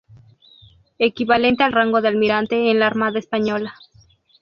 Equivalente al rango de almirante en la Armada española.